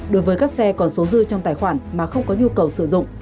đối với các xe còn số dư trong tài khoản mà không có nhu cầu sử dụng